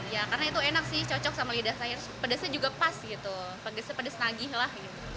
ya karena itu enak sih cocok sama lidah saya pedasnya juga pas gitu pedes pedes lagi lah